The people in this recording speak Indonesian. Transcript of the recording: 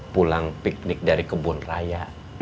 pulang piknik dari kebun raya